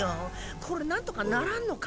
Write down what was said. これ何とかならんのか？